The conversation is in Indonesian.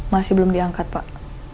masih belum diangkat pak